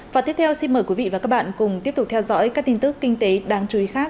và tiếp theo xin mời quý vị và các bạn cùng tiếp tục theo dõi các tin tức kinh tế đáng chú ý khác